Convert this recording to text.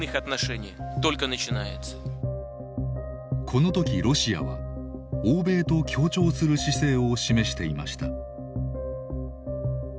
この時ロシアは欧米と協調する姿勢を示していました。